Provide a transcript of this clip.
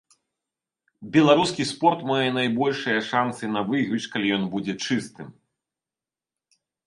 Беларускі спорт мае найбольшыя шанцы на выйгрыш, калі ён будзе чыстым.